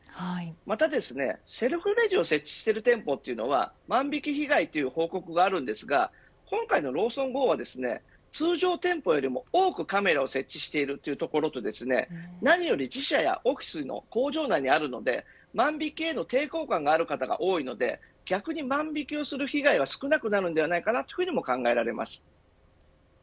またセルフレジを設置している店舗というのは万引き被害という報告がありますが今回のＬａｗｓｏｎＧｏは通常店舗よりも多くカメラを設置しているというところと何より自社やオフィスの工場内にあるので万引きへの抵抗感がある方が多いので逆に万引きの被害が少なくなると思います。